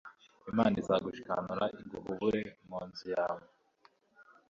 imana izagushikanura, iguhubure mu nzu yawe